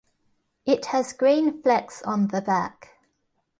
It has green flecks on the back.